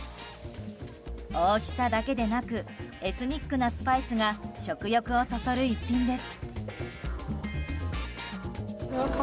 大きさだけでなくエスニックなスパイスが食欲をそそる一品です。